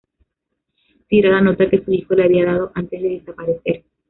Tira la nota que su hijo le había dado antes de desaparecer.